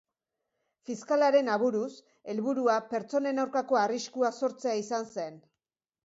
Fiskalaren aburuz, helburua pertsonen aurkako arriskua sortzea izan zen.